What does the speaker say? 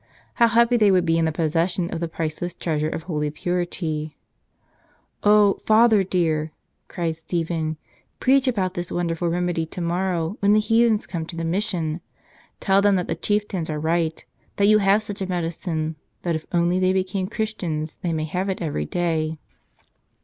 How happy they would be in the possession of the priceless treasure of holy purity !" "Oh, Father dear," cried Stephen, "preach about this wonderful remedy tomorrow when the heathens come to the mission! Tell them that the chieftains are right, that you have such a medicine, that if only they became Christians they may have it every day."